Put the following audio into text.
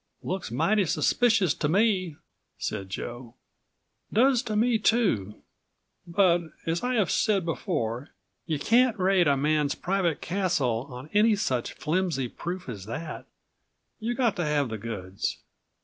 "Looks mighty suspicious to me," said Joe. "Does to me, too; but, as I have said before, you can't raid a man's private castle on any such flimsy proof as that. You've got to have the goods.